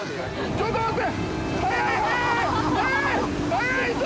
ちょっと待って！